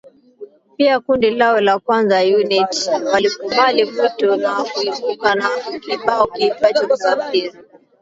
Pia kundi lao la Kwanza Unit walikubali mwito na kuibuka na kibao kiitwacho Msafiri